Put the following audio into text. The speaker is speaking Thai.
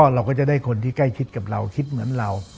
เราก็จะได้คนที่ใกล้ชิดกับเราคิดเหมือนเรา